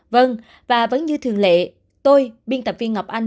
vâng và vẫn như thường lệ tôi biên tập viên ngọc anh